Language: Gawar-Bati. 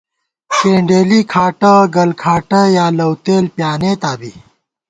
کېنڈېلی، کھاٹہ ، گلکھاٹہ یا لَؤتېل پیانېتا بی